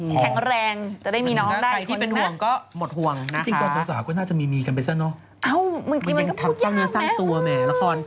แข็งแรงจะได้มีน้องได้